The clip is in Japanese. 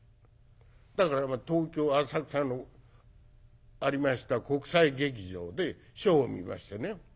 だから東京・浅草のありました国際劇場でショーを見ましてね。